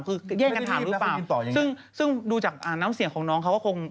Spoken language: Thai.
คือแย่งกันถามหรือเปล่าซึ่งซึ่งดูจากน้ำเสียงของน้องเขาก็คง